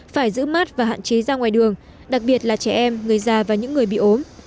phải giữ mát và hạn chế ra ngoài đường đặc biệt là trẻ em người già và những người bị ốm